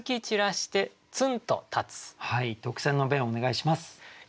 特選の弁をお願いします。